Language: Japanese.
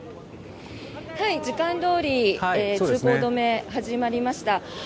時間どおり通行止め始まりました。